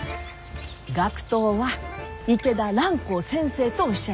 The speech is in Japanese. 学頭は池田蘭光先生とおっしゃる。